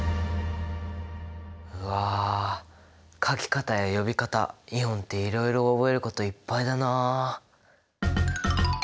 うわ書き方や呼び方イオンっていろいろ覚えることいっぱいだな！